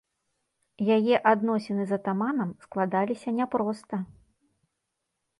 Яе адносіны з атаманам складаліся няпроста.